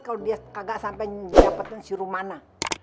kalo dia kagak sampe dapetin si rumana